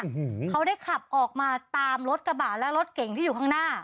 โอ้โหเขาได้ขับออกมาตามรถกระบะและรถเก่งที่อยู่ข้างหน้า